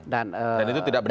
dan itu tidak benar